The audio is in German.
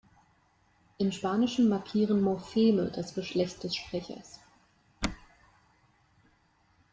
Im Spanischen markieren Morpheme das Geschlecht des Sprechers.